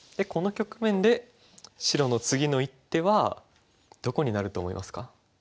この局面で白の次の一手はどこになると思いますか？